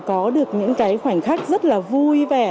có được những khoảnh khắc rất là vui vẻ